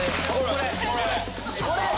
これ。